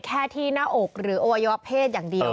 แค่ที่หน้าอกหรืออวัยวะเพศอย่างเดียว